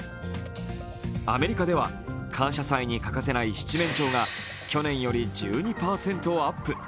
アメリカでは感謝祭に欠かせない七面鳥が去年より１２％アップ。